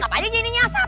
kenapa aja jadi ini nyasar